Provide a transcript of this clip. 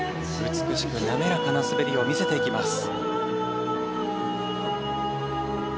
美しく滑らかな滑りを見せていきます。